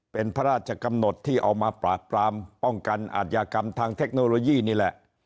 เป็นพระราชกำหนดที่เอามาปราบปรามป้องกันอาทยากรรมทางเทคโนโลยีนี่แหละ